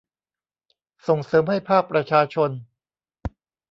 ส่งเสริมให้ภาคประชาชน